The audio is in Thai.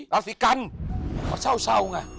ราศีกันเขาเช่าไง